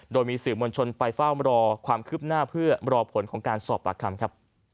โดยมีสื่อมวลชนไปเฝ้ารอความคืบหน้าเพื่อรอผลของการสอบปากคำครับ